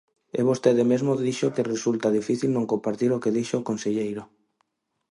E vostede mesmo dixo que resulta difícil non compartir o que dixo o conselleiro.